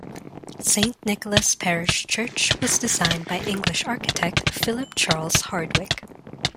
Saint Nicholas Parish Church was designed by English architect Philip Charles Hardwick.